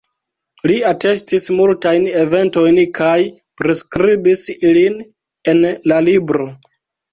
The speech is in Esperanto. Li atestis multajn eventojn kaj priskribis ilin en la libro.